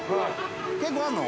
結構あんの？